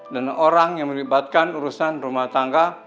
orang yang melibatkan urusan rumah tangga